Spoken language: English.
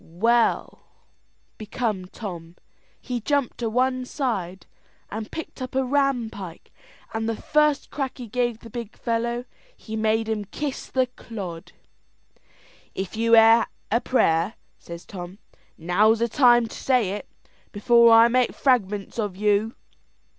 Well become Tom, he jumped a one side, and picked up a ram pike; and the first crack he gave the big fellow, he made him kiss the clod. "If you have e'er a prayer," says Tom, "now's the time to say it, before I make fragments of you."